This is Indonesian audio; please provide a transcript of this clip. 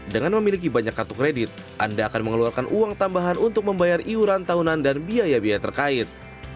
dengan memiliki banyak kartu kredit anda akan mengeluarkan uang tambahan untuk membayar iuran tahunan dan biaya biaya terkait